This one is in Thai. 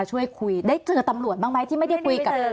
ช่วยคุยได้เจอตำรวจบ้างไหมที่ไม่ได้คุยกับ